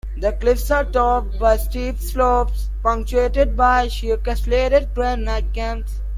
The cliffs are topped by steep slopes punctuated by sheer castellated granite cams.